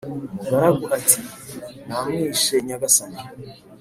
umugaragu ati"namwishe nyagasani"